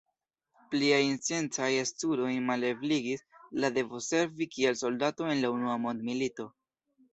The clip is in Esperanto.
Pliajn sciencajn studojn malebligis la devo servi kiel soldato en la unua mondmilito.